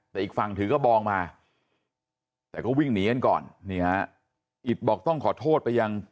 แต่อีกฝั่งถือกระบองมาแต่ก็วิ่งหนีกันก่อนนี่ฮะอิตบอกต้องขอโทษไปยัง